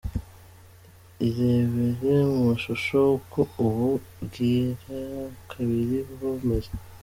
Irebere mu mashusho uko ubu bwirakabiri buba bumeze.